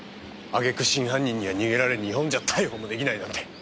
揚げ句真犯人には逃げられ日本じゃ逮捕も出来ないなんて。